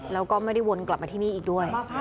แล้วก็ไม่ได้วนกลับมาที่นี่อีกด้วย